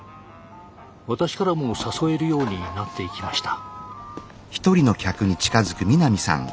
私からも誘えるようになっていきました。